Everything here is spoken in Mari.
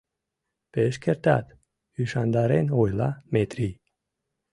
Пеш кертат, — ӱшандарен ойла Метрий.